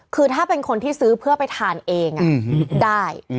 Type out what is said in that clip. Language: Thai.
คือถ้าเป็นคนที่ซื้อเพื่อไปทานเองได้